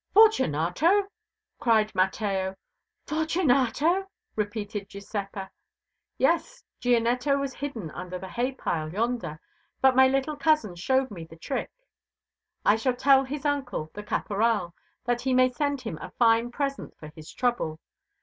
"Fortunato!" cried Mateo. "Fortunato!" repeated Giuseppa. "Yes, Gianetto was hidden under the hay pile yonder, but my little cousin showed me the trick. I shall tell his uncle, the Caporal, that he may send him a fine present for his trouble.